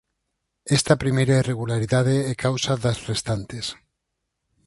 Esta primeira irregularidade é causa das restantes.